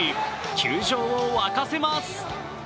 球場を沸かせます。